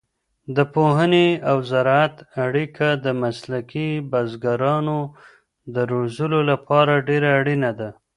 د پوهنې او زراعت اړیکه د مسلکي بزګرانو د روزلو لپاره ډېره اړینه ده.